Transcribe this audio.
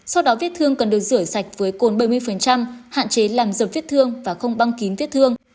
sau đó viết thương cần được rửa sạch với côn bảy mươi hạn chế làm dập viết thương và không băng kín viết thương